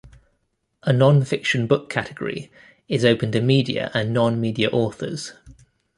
A non-fiction book category is open to media and non-media authors.